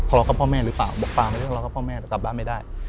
เรากับพ่อแม่หรือเปล่าบอกปากไม่ได้ทะเลาะกับพ่อแม่แต่กลับบ้านไม่ได้